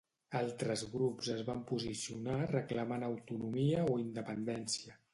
Altres grups es van posicionar reclamant autonomia o independència.